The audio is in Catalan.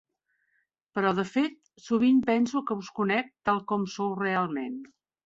Però, de fet, sovint penso que us conec tal com sou realment.